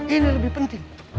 ini lebih penting